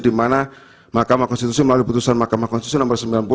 di mana mahkamah konstitusi melalui putusan mahkamah konstitusi nomor sembilan puluh